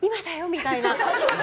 みたいな。